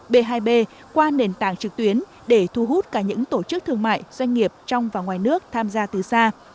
b hai b qua nền tảng trực tuyến để thu hút cả những tổ chức thương mại doanh nghiệp trong và ngoài nước tham gia từ xa